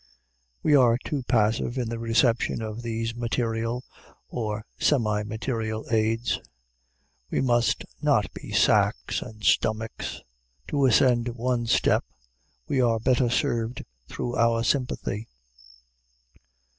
We are too passive in the reception of these material or semi material aids. We must not be sacks and stomachs. To ascend one step we are better served through our sympathy.